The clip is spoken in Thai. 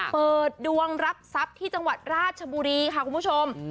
เปิดดวงรับทรัพย์ที่จังหวัดราชบุรีค่ะคุณผู้ชม